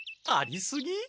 ありすぎ？